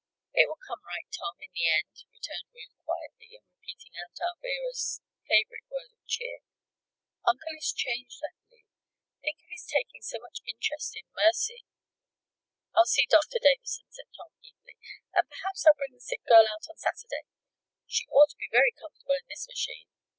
"It will come right, Tom, in the end," returned Ruth, quietly, and repeating Aunt Alvirah's favorite word of cheer. "Uncle is changed, I believe. Think of his taking so much interest in Mercy!" "I'll see Doctor Davison," said Tom, eagerly; "and perhaps I'll bring the sick girl out on Saturday. She ought to be very comfortable in this machine.